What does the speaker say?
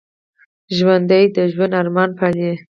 ژوندي د ژوند ارمان پالي